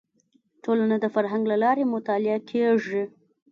ټولنه د فرهنګ له لارې مطالعه کیږي